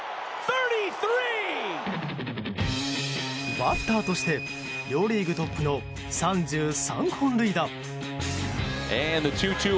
バッターとして両リーグトップの３３本塁打。